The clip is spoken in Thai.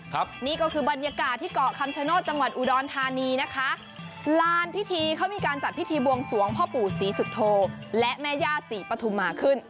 ครับนี่ก็คือบรรยากาศที่เกาะคำชโนธจังหวัดอุดรธานีนะคะลานพิธีเขามีการจัดพิธีบวงสวงพ่อปู่ศรีสุโธและแม่ย่าศรีปฐุมาขึ้น